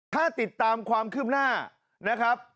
ถ้าติดตามความคืบหน้านะครับ